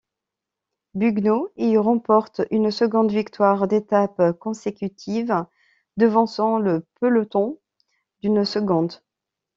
Bugno y remporte une seconde victoire d'étape consécutive, devançant le peloton d'une seconde.